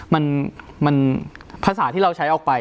มันภาษาที่เราใช้ออกไป